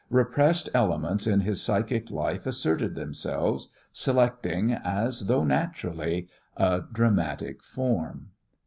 Repressed elements in his psychic life asserted themselves, selecting, as though naturally, a dramatic form.